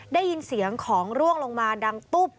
ได้ยินเสียงของร่วงลงมาดังตุ๊บ